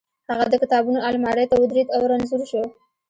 هغه د کتابونو المارۍ ته ودرېد او رنځور شو